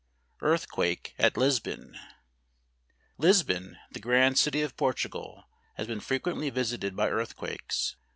Earthquake at Lisbon. Lisbon, the grand city of Portugal, lias been frequently visited by earthquakes.